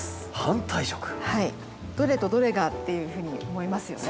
「どれとどれが？」っていうふうに思いますよね。